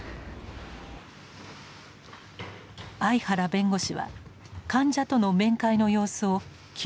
相原弁護士は患者との面会の様子を記録に残していました。